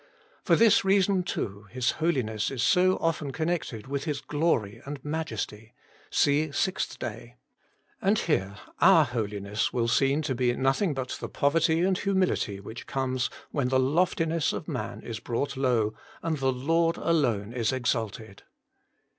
For this reason, too, His Holiness is so often connected with His Glory and Majesty (see ' Sixth Day '). And here our holiness will be seen to be nothing but the poverty and humility which comes when ' the loftiness of man is brought low, and the Lord alone is exalted.'